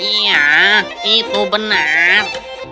iya itu benar